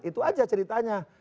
itu saja ceritanya